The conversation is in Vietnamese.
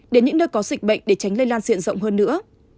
đến những nơi có dịch bệnh để tránh lây lan diện rộng hơn nữa